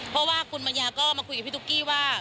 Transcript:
เพราะว่าคุณปัญญาก็มาคุยกับพี่ตุ๊กกี้ว่า